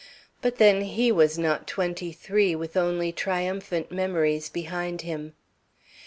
But then he was not twenty three, with only triumphant memories behind him.